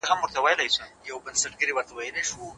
د سياسي قدرت انحصار د ټولنيزو ستونزو لوی لامل دی.